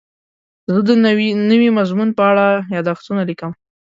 زه د نوي مضمون په اړه یادښتونه لیکم.